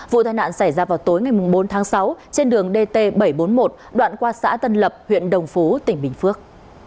vụ tai nạn xảy ra vào tối ngày bốn tháng sáu trên đường dt bảy trăm bốn mươi một đoạn qua xã tân lập huyện đồng phú tỉnh bình phước